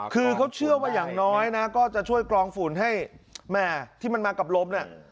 คือเขาเชื่อว่าอย่างน้อยนะก็จะช่วยกรองฝุ่นให้แม่ที่มันมากับลมเนี่ย